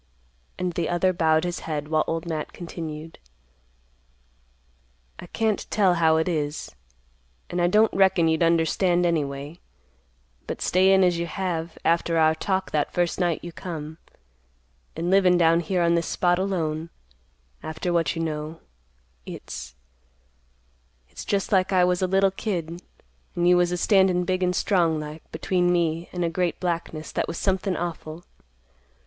And the other bowed his head while Old Matt continued; "I can't tell how it is, an' I don't reckon you'd understand any way, but stayin' as you have after our talk that first night you come, an' livin' down here on this spot alone, after what you know, it's—it's just like I was a little kid, an' you was a standin' big and strong like between me an' a great blackness that was somethin' awful.